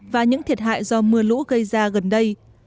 và những thiệt hại do mưa lũ gây ra gần đây